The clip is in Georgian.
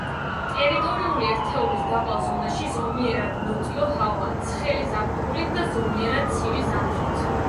ტერიტორიული ერთეულის დაბალ ზონაში ზომიერად ნოტიო ჰავაა, ცხელი ზაფხულით და ზომიერად ცივი ზამთრით.